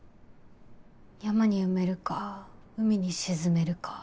山に埋めるか海に沈めるか。